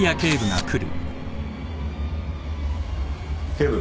警部。